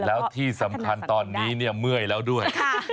แล้วที่สำคัญตอนนี้เนี่ยเมื่อยแล้วด้วย